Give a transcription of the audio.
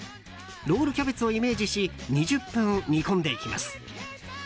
ロールキャベツをイメージし２０分煮込んでいきます。